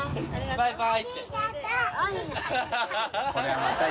バイバイ。